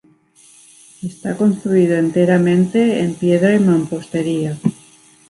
Está construido enteramente en piedra y mampostería.